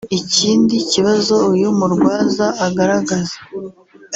Ikindi kibazo uyu murwaza agaragaza